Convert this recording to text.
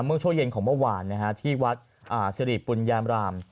เมื่อช่วงเย็นของเมื่อวานที่วัดสิริปุญญามราม